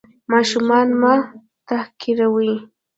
ماشومان مه تحقیروئ.